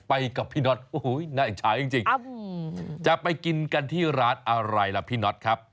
กับพี่น็อตน่าอิจฉายจริงจะไปกินกันที่ร้านอะไรล่ะพี่น็อตครับ